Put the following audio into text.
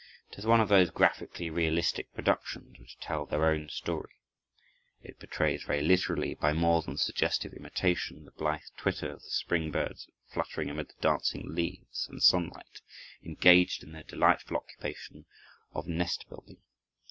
It is one of those graphically realistic productions which tell their own story. It portrays very literally, by more than suggestive imitation, the blithe twitter of the spring birds fluttering amid the dancing leaves and sunlight, engaged in their delightful occupation of nest building.